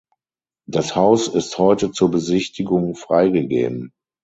Das Haus ist heute zur Besichtigung freigegeben.